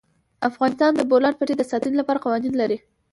افغانستان د د بولان پټي د ساتنې لپاره قوانین لري.